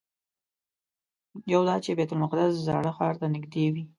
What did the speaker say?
یو دا چې بیت المقدس زاړه ښار ته نږدې وي.